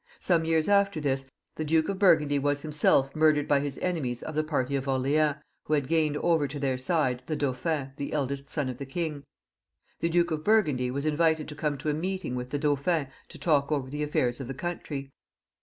Some years after this, the Duke of Burgundy was himself murdered by his enemies of the party of Orleans, who had gained over to their side the Dauphin, the eldest son of the king. The Duke of Burgundy was invited to come to a meeting with the Dauphin to talk over the affairs of the country.